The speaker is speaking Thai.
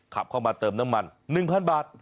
ขับเข้ามาเติมน้ำมัน๑๐๐บาท